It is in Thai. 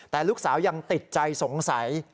แต่ลูกสาวยังติดใจสงสัย